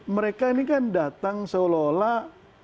mereka ini kan datang seolah olah